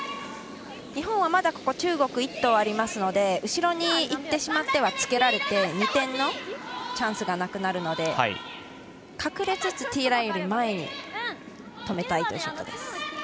日本はまだ中国１投ありますので後ろに行ってしまってはつけられて２点のチャンスがなくなるので隠れつつティーラインより前に止めたいというショットです。